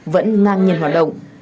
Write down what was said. vẫn ngang nhiên hoạt động